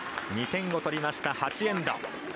２点を取りました、８エンド。